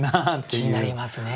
気になりますね。